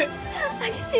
激しい！